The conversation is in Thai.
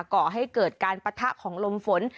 ก่อให้เกิดการปะทะของลมฝน